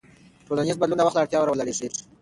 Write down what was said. ټولنیز بدلون د وخت له اړتیاوو راولاړېږي.